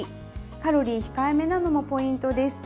カロリー控えめなのもポイントです。